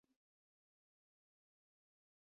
তিনি আফগান সরকারকে সংগঠিত করেছিলেন।